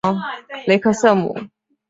雷克瑟姆。